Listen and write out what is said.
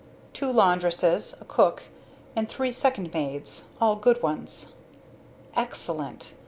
"Two laundresses, a cook and three second maids; all good ones." "Excellent!